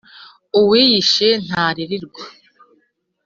Uwiyishe ntaririrwa.